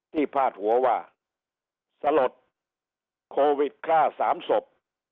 ที่พาดหัวว่าสลดโควิด๓สบ